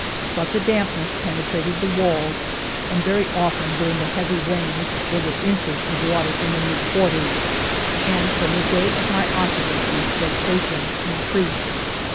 But the dampness penetrated the walls, and very often, during the heavy rains, there were inches of water in the new quarters, and from the day of my occupancy vexations increased.